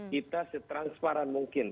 kita setransparan mungkin